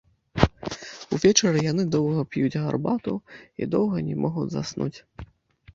Увечары яны доўга п'юць гарбату і доўга не могуць заснуць.